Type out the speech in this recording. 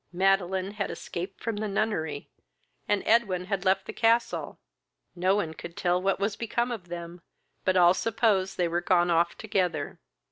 Madeline had escaped from the nunnery, and Edwin had left the castle. No one could tell what was become of them, but all supposed they were gone off together.